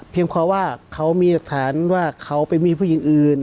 เพราะว่าเขามีหลักฐานว่าเขาไปมีผู้หญิงอื่น